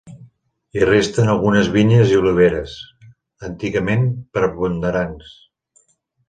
Hi resten algunes vinyes i oliveres, antigament preponderants.